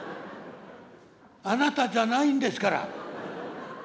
あなたじゃないんですから。